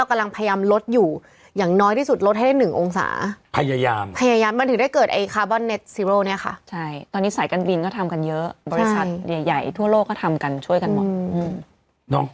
ก็ทำกันเยอะบริษัทใหญ่ทั่วโลกก็ทำกันช่วยกันหมด